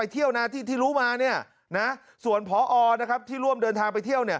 ที่รู้มาส่วนพอที่ร่วมเดินทางไปเที่ยว